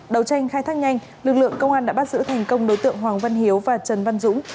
đầu tranh khai thác nhanh lực lượng công an đã bắt giữ thành công đối tượng hoàng văn hiếu và trần văn dũng